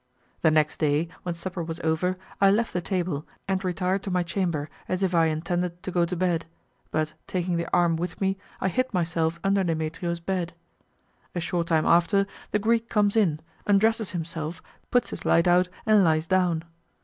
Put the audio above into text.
The next day, when supper was over, I left the table and retired to my chamber as if I intended to go to bed, but taking the arm with me I hid myself under Demetrio's bed. A short time after, the Greek comes in, undresses himself, put his light out, and lies down.